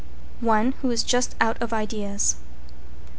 One who is just out of ideas.